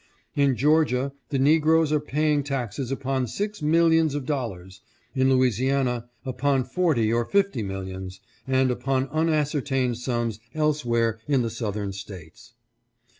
"In Georgia the negroes are paying taxes upon six millions of dol lars, in Louisiana upon forty or fifty millions, and upon unascertained sums elsewhere in the Southern States.